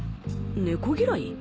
猫嫌い？